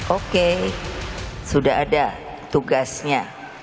oke sudah ada tugasnya